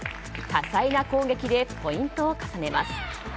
多彩な攻撃でポイントを重ねます。